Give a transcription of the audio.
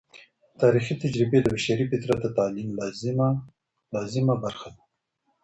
تاریخي تجربې د بشري فطرت د تعلیم لازمي برخه ده.